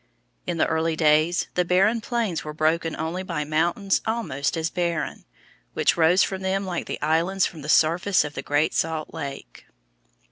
In the early days the barren plains were broken only by mountains almost as barren, which rose from them like the islands from the surface of the Great Salt Lake.